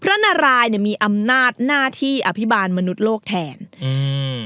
นารายเนี้ยมีอำนาจหน้าที่อภิบาลมนุษย์โลกแทนอืม